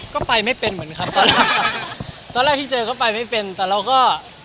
ก็ไปไม่เป็นเหมือนครับตอนแรกตอนแรกที่เจอก็ไปไม่เป็นแต่เราก็